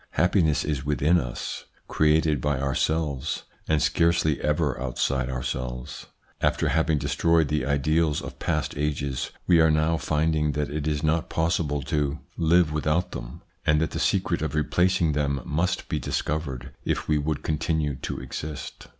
Happiness is within us, created by ourselves, and scarcely ever outside ourselves. After having destroyed the ideals of past ages, we are now finding that it is not possible to 14 194 THE PSYCHOLOGY OF PEOPLES: live without them, and that the secret of replacing them must be discovered, if we would continue to exist.